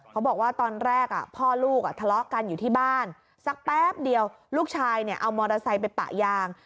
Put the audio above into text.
เขาบอกว่าตอนแรกพ่อลูกทะเลาะกันอยู่ที่บ้านสักแป๊บเดียวลูกชายเนี่ยเอามอเตอร์ไซค์ไปปะยาง